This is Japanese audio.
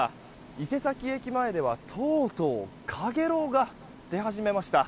伊勢崎駅前では、とうとうかげろうが出始めました。